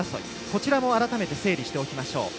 こちらも改めて整理しておきましょう。